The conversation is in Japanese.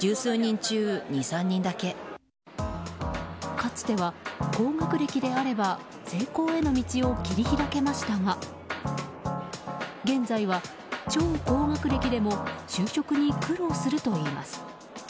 かつては高学歴であれば成功への道を切り開けましたが現在は超高学歴でも就職に苦労するといいます。